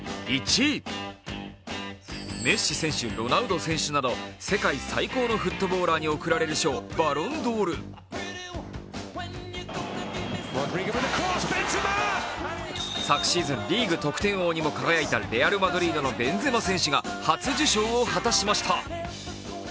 メッシ選手、ロナウド選手など世界最高のフットボーラーに贈られる賞、バロンドール。昨シーズン、リーグ得点王にも輝いたレアル・マドリードのベンゼマ選手が初受賞を果たしました。